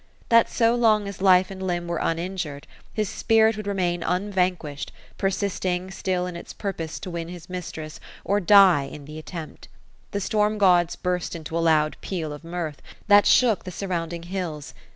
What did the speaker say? That so long as life and limb were uninjured, his spirit would remain unvanquished, persist ing still in its purpose to win his mistress, or die in the attempt. The storm gods burst into a loud peal of mirth, that shook the surrounding hills.